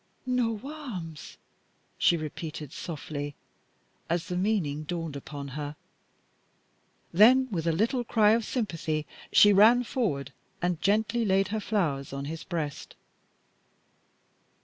"Nowarms!" she repeated softly as the meaning dawned upon her, then with a little cry of sympathy she ran forward and gently laid her flowers on his breast.